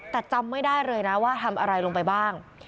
แต่จำไม่ได้เลยนะว่าทำอะไรลงไปบ้าง